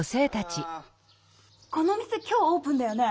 ・この店今日オープンだよね。